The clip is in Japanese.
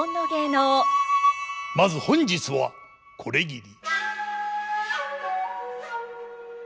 まず本日はこれぎり。